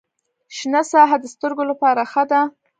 شنه ساحه د سترګو لپاره ښه ده.